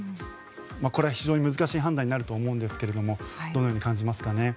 これは非常に難しい判断になると思うんですがどのように感じますかね。